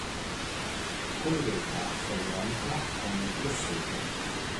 Collega Follonica con Grosseto.